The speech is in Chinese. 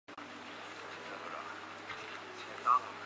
纳曼干州是乌兹别克十二个州份之一。